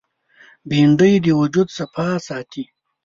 بېنډۍ د وجود صفا ساتي